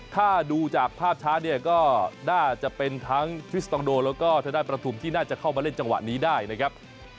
ถ้าดูจากภาพช้าเนี่ยก็น่าจะเป็นทั้งทริสตองโดแล้วก็ทางด้านประทุมที่น่าจะเข้ามาเล่นจังหวะนี้ได้นะครับ